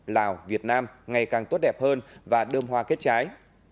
lào việt nam ngày càng tốt đẹp hơn và đơm hoa kết trái